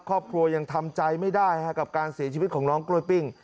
ครอบครัวยังทำใจไม่ได้กับการเสียชีวิตของน้องกล้วยปิ้ง